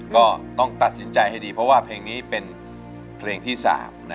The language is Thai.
ก็ต้องตัดสินใจให้ดีเพราะว่าเพลงนี้เป็นเพลงที่๓